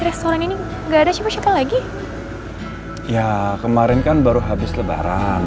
restoran ini enggak ada siapa siapa lagi ya kemarin kan baru habis lebaran